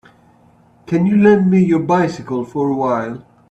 Can you lend me your bycicle for a while.